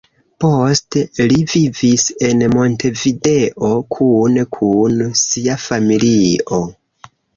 Poste li vivis en Montevideo kune kun sia familio.